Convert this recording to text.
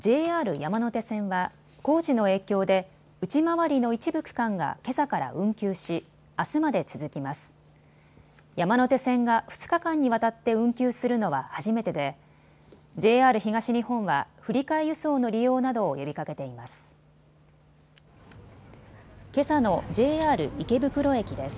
山手線が２日間にわたって運休するのは初めてでＪＲ東日本は振り替え輸送の利用などを呼びかけています。